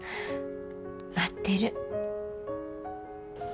待ってる。